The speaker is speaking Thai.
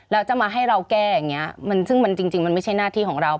แล้วจะมาให้เราแก้อย่างนี้ซึ่งมันจริงมันไม่ใช่หน้าที่ของเรา